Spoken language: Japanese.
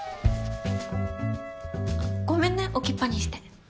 あっごめんね置きっぱにして。